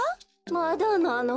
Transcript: まだなの。